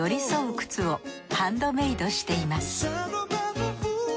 靴をハンドメードしています